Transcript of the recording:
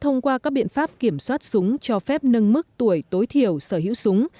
thông qua các biện pháp kiểm soát súng cho phép nâng mức tuổi tối thiểu sở hữu súng